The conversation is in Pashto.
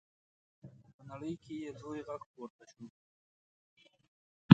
په نړۍ کې یې لوی غږ پورته شو.